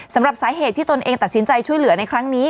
สำหรับสาเหตุที่ตนเองตัดสินใจช่วยเหลือในครั้งนี้